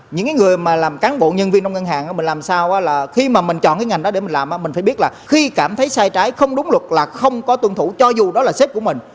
những người làm cán bộ nhân viên trong ngân hàng khi mình chọn cái ngành đó để mình làm mình phải biết là khi cảm thấy sai trái không đúng luật là không có tuân thủ cho dù đó là sếp của mình